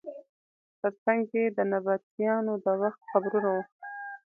تر څنګ یې د نبطیانو د وخت قبرونه وو.